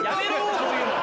そういうの。